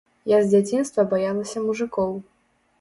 Я з дзяцінства баялася мужыкоў.